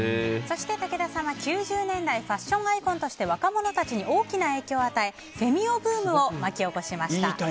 武田さんは９０年代ファッションアイコンとして若者たちに大きな影響を与えフェミ男ブームを巻き起こしました。